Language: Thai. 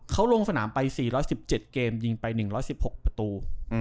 เขาลงสนามไป๔๑๗เกมยิงไป๑๑๖ประตู